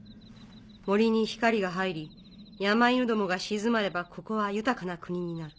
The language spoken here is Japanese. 森に光が入り山犬どもが鎮まればここは豊かな国になる。